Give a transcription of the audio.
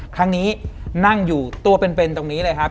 ครั้งนี้นั่งอยู่ตัวเป็นตรงนี้เลยครับ